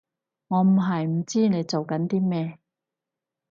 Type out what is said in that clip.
我唔係唔知你做緊啲咩